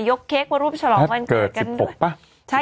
ยกเค้กทำรูปฉลองวันเกิดกัน